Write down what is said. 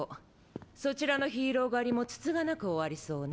そちらのヒーロー狩りもつつがなく終わりそうね。